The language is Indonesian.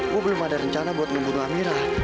gue belum ada rencana buat membunuh amirah